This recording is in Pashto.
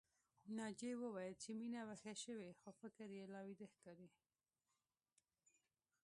ناجيې وويل چې مينه ويښه شوې خو فکر يې لا ويده ښکاري